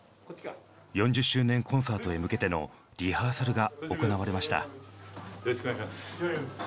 ４０周年コンサートへ向けてのリハーサルが行われました。